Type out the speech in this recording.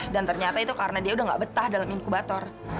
dan ternyata itu karena dia udah gak betah dalam inkubator